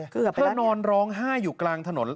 เธอนอนร้องห้าอยู่กลางถนน